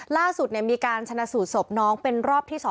ล่าสุดมีการชนะสูตรศพน้องเป็นรอบที่๒